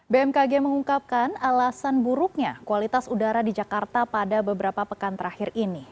bmkg mengungkapkan alasan buruknya kualitas udara di jakarta pada beberapa pekan terakhir ini